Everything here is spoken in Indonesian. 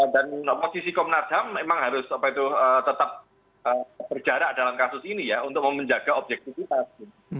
dan posisi komnas ham memang harus tetap berjarak dalam kasus ini untuk menjaga objektivitas